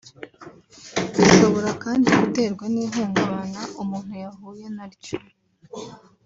Ishobora kandi guterwa n’ihungabana umuntu yahuye na ryo